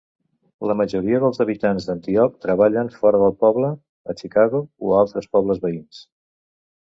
La majoria dels habitants d'Antioch treballen fora del poble, a Chicago o a altres pobles veïns.